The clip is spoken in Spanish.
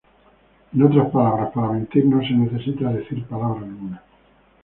En otras palabras, para mentir no se necesita decir palabra alguna.